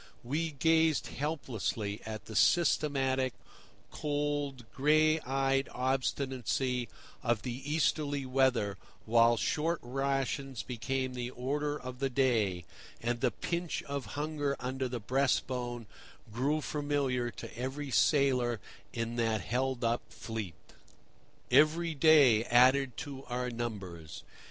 We gazed helplessly at the systematic, cold, gray eyed obstinacy of the Easterly weather, while short rations became the order of the day, and the pinch of hunger under the breast bone grew familiar to every sailor in that held up fleet. Every day added to our numbers.